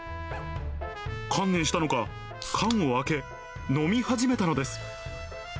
観念したのか、缶を開け、飲み始めたのです。